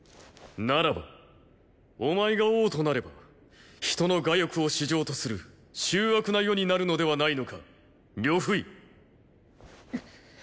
ならばお前が王となれば人の我欲を至上とする醜悪な世になるのではないのか呂不韋。